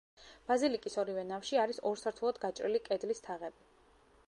ბაზილიკის ორივე ნავში არის ორ სართულად გაჭრილი კედლის თაღები.